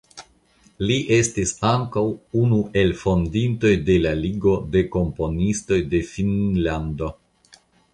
Li estis ankaŭ unu de fondintoj de Ligo de Komponistoj de Finnlando.